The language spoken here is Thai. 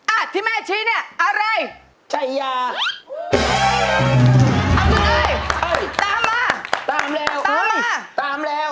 อ่ะที่แม่ชี้เนี่ยอะไรชัยยาเอามาเลยเอาตามมาตามแล้วตามมาตามแล้ว